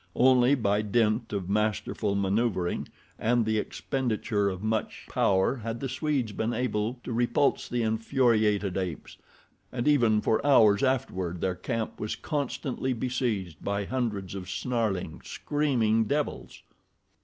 Only by dint of masterful maneuvering and the expenditure of much power had the Swedes been able to repulse the infuriated apes, and even for hours afterward their camp was constantly besieged by hundreds of snarling, screaming devils.